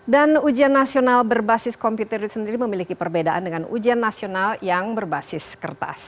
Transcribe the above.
dan ujian nasional berbasis komputer itu sendiri memiliki perbedaan dengan ujian nasional yang berbasis kertas